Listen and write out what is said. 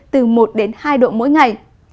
từ một đến hai độ mỗi ngày